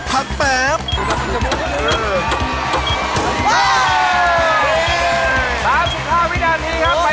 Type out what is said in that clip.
๓๕วินาทีครับไปเรื่อย